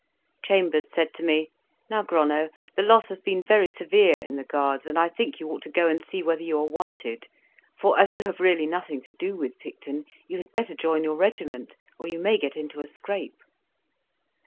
Chambers said to me, "Now, Gronow, the loss has been very severe in the Guards, and I think you ought to go and see whether you are wanted; for, as you have really nothing to do with Picton, you had better join your regiment, or you may get into a scrape."